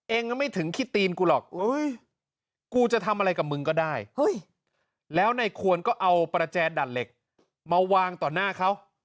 อ้ะเองยังไม่ถึงขี้ตีนกูหรอก